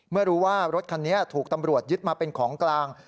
เมื่อรู้ว่ารถคันนี้ถูกตำรวจยึดมาเป็นของกลาง